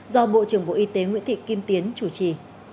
do bộ trưởng bộ y tế nguyễn thị kim tiến chủ trì